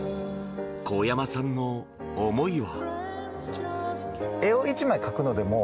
神山さんの思いは。